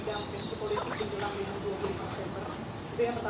densi politik untuk menangani dprm